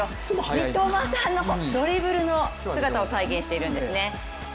三笘さんのドリブルの姿を再現しているんですね。